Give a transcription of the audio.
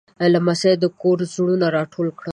لمسی د کور زړونه راټول کړي.